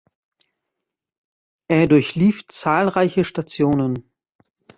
Er durchlief zahlreiche Stationen.